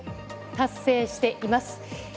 達成しています。